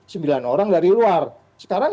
sembilan orang dari luar sekarang